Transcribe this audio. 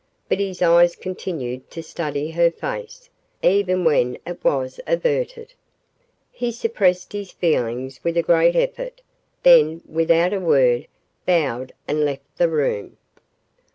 But his eyes continued to study her face, even when it was averted. He suppressed his feelings with a great effort, then, without a word, bowed and left the room.